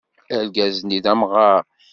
Argaz-nni d amɣaṛ.